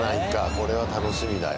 これは楽しみだよ。